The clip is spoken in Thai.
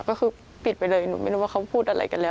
ก็คือปิดไปเลยหนูไม่รู้ว่าเขาพูดอะไรกันแล้ว